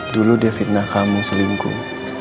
dulu dia fitnah kamu selingkuh